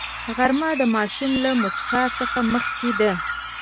غرمه د ماشوم له موسکا څخه مخکې ده